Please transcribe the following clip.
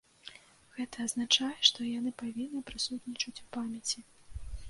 Гэта азначае, што яны павінны прысутнічаць у памяці.